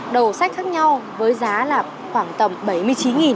đầu sách khác nhau với giá là khoảng tầm bảy mươi chín